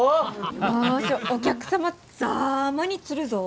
よしお客様ざぁまに釣るぞぉ！